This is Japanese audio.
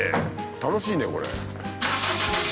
楽しいねこれ。